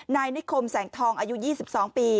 นายนิคมแสงทองอายุ๒๒ปี